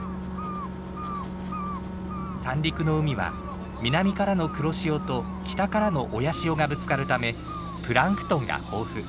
三陸の海は南からの黒潮と北からの親潮がぶつかるためプランクトンが豊富。